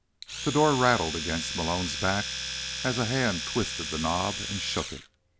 8 The door rattled against Malone's back as a hand twisted the knob and shook it.